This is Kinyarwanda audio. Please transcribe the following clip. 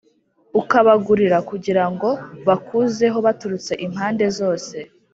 ukabagurira kugira ngo bakuzeho baturutse impande zose